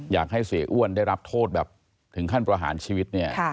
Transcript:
อยากให้เสียอ้วนได้รับโทษแบบถึงขั้นประหารชีวิตเนี่ย